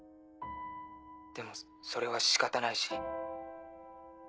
でもそれは仕方ないし。